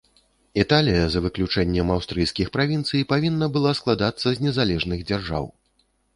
Італія, за выключэннем аўстрыйскіх правінцый, павінна была складацца з незалежных дзяржаў.